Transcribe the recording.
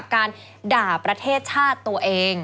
การด่าประเทศชาติตัวเอง